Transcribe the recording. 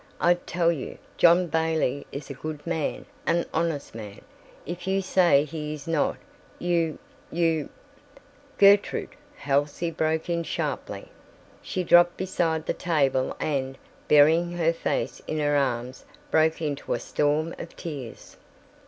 I tell you, John Bailey is a good man, an honest man. If you say he is not, you—you—" "Gertrude," Halsey broke in sharply. She dropped beside the table and, burying her face in her arms broke into a storm of tears.